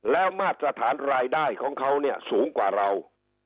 แล้วมาตรฐานรายได้ของเขาเนี่ยสูงกว่าเรา